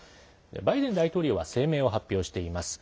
バイデン大統領は声明を発表しています。